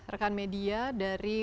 rekan media dari